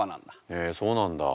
へえそうなんだ。